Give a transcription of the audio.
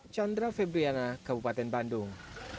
chandra febriana kabupaten bandung